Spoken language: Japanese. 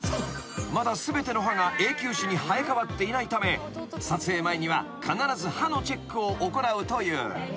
［まだ全ての歯が永久歯に生え替わっていないため撮影前には必ず歯のチェックを行うという］